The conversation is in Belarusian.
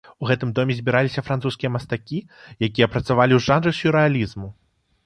У гэтым доме збіраліся французскія мастакі, якія працавалі ў жанры сюррэалізму.